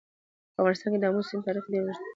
په افغانستان کې د آمو سیند تاریخ ډېر اوږد دی.